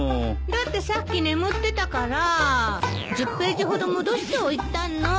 だってさっき眠ってたから１０ページほど戻しておいたの。